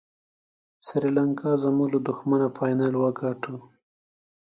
سریلانکا زموږ له دښمنه فاینل وګاټه.